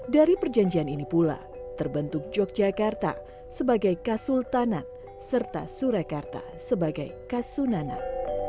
dari perjanjian ini pula terbentuk yogyakarta sebagai kasultanat serta surekarta sebagai kasunanat